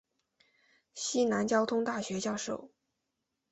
西南交通大学教授。